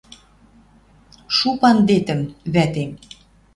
Шу пандетӹм, вӓтем!